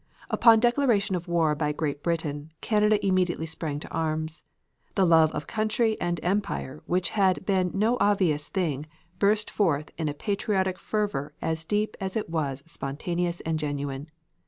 Upon declaration of war by Great Britain Canada immediately sprang to arms. The love of country and empire which had been no obvious thing burst forth in a patriotic fervor as deep as it was spontaneous and genuine.